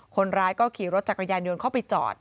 คนร้ายก็ขี่รถจักรยานยนต์เข้าไปจอด